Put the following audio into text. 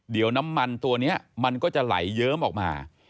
เดี๋ยวน้ำมันตัวนี้มันก็จะไหลเยิ้มออกมา